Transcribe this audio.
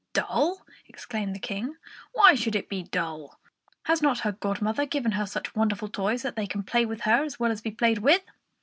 "Dull!" exclaimed the King. "Why should it be dull? Has not her godmother given her such wonderful toys that they can play with her as well as be played with?"